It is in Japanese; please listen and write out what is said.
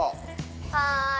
はい！